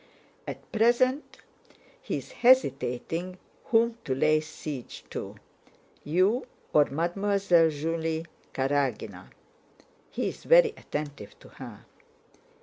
At present he is hesitating whom to lay siege to—you or Mademoiselle Julie Karágina. He is very attentive to her."